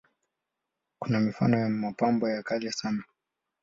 Kuna mifano ya mapambo ya kale sana.